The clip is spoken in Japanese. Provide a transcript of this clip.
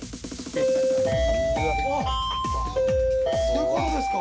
どういうことですか。